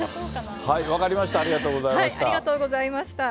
分かりました、ありがとうございありがとうございました。